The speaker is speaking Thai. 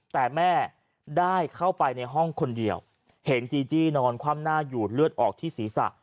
แต่แม่ได้เข้าไปในห้องคนเดียวเห็นจีจี้นอนคว่ำหน้าอยู่เลือดออกที่ศีรษะ